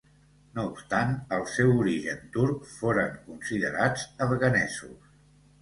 No obstant el seu origen turc, foren considerats afganesos.